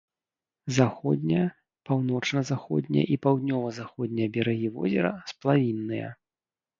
Заходнія, паўночна-заходнія і паўднёва-заходнія берагі возера сплавінныя.